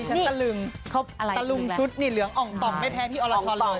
นี้ฉันตะลึงชุดนี่เหลืองอองต่อไม่แพ้ที่อรทนะ